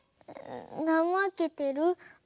なまけてる？